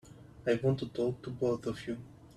I want to talk to both of you.